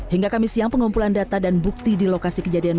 hingga proceeded pengumpulan data dan bukti didalam news yeti di toronto